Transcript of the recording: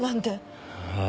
ああ。